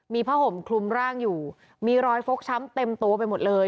มีผ้าห่มคลุมร่างอยู่มีรอยฟกช้ำเต็มตัวไปหมดเลย